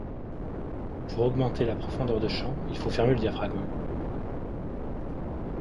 Pour augmenter la profondeur de champ, il faut fermer le diaphragme.